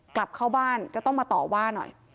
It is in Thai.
กลับเข้าบ้านจะต้องมาต่อว่าหน่อย